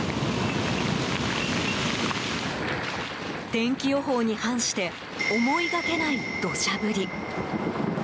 天気予報に反して思いがけない土砂降り。